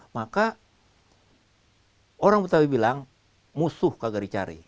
maka orang betawi bilang musuh kagari cari